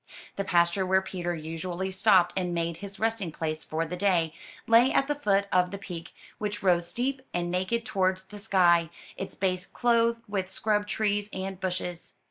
The pasture where Peter usually stopped and made his resting place for the day, lay at the foot of the peak, which rose steep and naked towards the sky, its base clothed with scrub trees and bushes.